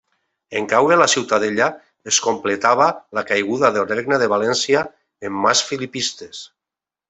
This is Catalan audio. En caure la ciutadella, es completava la caiguda del Regne de València en mans filipistes.